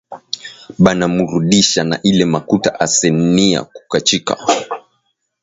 Bana murudisha na ile makuta ase niya kukachika